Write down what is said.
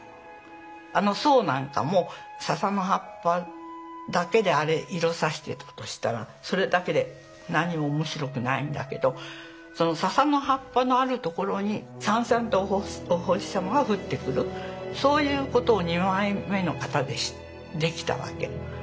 あの「」なんかもささの葉っぱだけであれ色挿してたとしたらそれだけで何も面白くないんだけどそのささの葉っぱのあるところにさんさんとお星様が降ってくるそういうことを２枚目の型でできたわけ。